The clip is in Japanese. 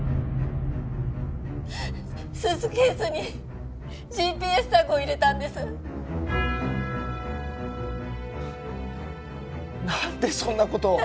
スーツケースにＧＰＳタグを入れたんです何でそんなことを！？